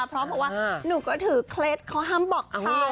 เพราะบอกว่าหนูก็ถือเคล็ดเขาห้ามบอกใคร